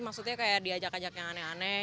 maksudnya kayak diajak ajak yang aneh aneh